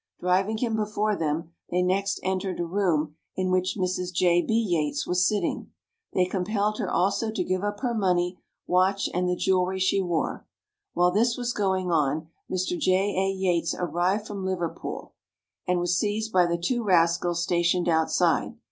Driving him before them, they next entered a room, in which Mrs. J. B. Yates was sitting. They compelled her also to give up her money, watch, and the jewellery she wore. While this was going on, Mr. J. A. Yates arrived from Liverpool, and was seized by the two rascals stationed outside.